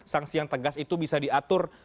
sanksi yang tegas itu bisa diatur